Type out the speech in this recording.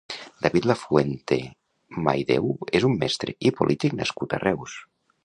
David Lafuente Maideu és un mestre i polític nascut a Reus.